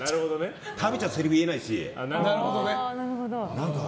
食べちゃせりふ言えないし。